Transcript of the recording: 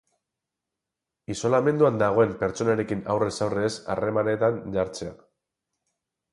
Isolamenduan dagoen pertsonarekin aurrez aurre ez harremanetan jartzea.